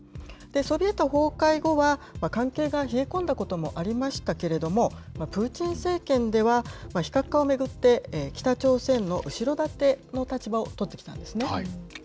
ソビエト崩壊後は、関係が冷え込んだこともありましたけれども、プーチン政権では、非核化を巡って北朝鮮の後ろ盾の立場を取ってきたんですね。